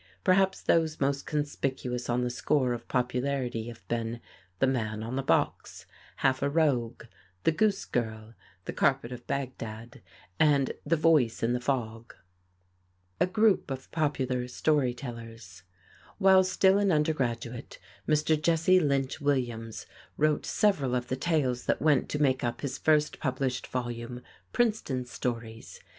Perhaps those most conspicuous on the score of popularity have been "The Man on the Box," "Half a Rogue," "The Goose Girl," "The Carpet of Bagdad," and "The Voice in the Fog." [Illustration: BRAND WHITLOCK] [Illustration: THOMAS DIXON] A Group of Popular Story Tellers While still an undergraduate, Mr. Jesse Lynch Williams wrote several of the tales that went to make up his first published volume, "Princeton Stories."